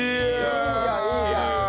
いいじゃんいいじゃん。